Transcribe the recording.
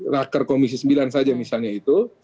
raker komisi sembilan saja misalnya itu